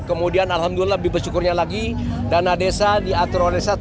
kemudian alhamdulillah lebih bersyukurnya lagi dana desa diatur oleh desa tujuh puluh